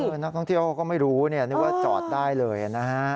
คือนักท่องเที่ยวเขาก็ไม่รู้นึกว่าจอดได้เลยนะฮะ